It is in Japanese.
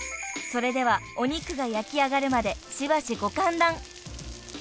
［それではお肉が焼きあがるまでしばしご歓談］